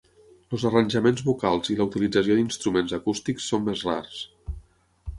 Els arranjaments vocals i la utilització d'instruments acústics són més rars.